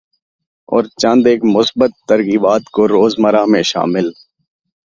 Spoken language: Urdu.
اور چند ایک مثبت ترغیبات کو روزمرہ میں شامل